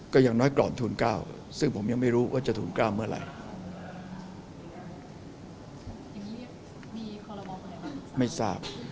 ก็อย่างน้อยก่อนธูนเกล้าซึ่งผมยังไม่รู้ว่าจะธูนเกล้าเมื่อไหร่